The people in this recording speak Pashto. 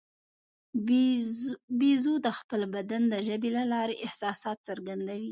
بیزو د خپل بدن د ژبې له لارې احساسات څرګندوي.